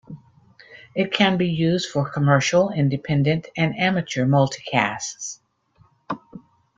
It can be used for commercial, independent, and amateur multicasts.